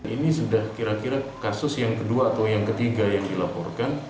ini sudah kira kira kasus yang kedua atau yang ketiga yang dilaporkan